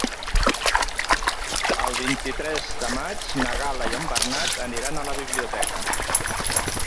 El vint-i-tres de maig na Gal·la i en Bernat aniran a la biblioteca.